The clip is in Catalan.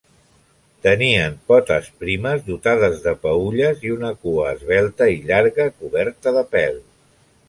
Tenen potes primes dotades de peülles i una cua esvelta i llarga, coberta de pèl.